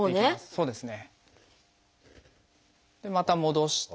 そうですね。